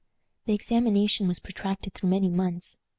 The examination was protracted through many months.